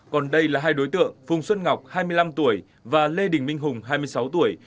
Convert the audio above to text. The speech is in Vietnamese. còn đây là hai đối tượng phùng xuân ngọc hai mươi năm tuổi và lê đình minh hùng hai mươi sáu tuổi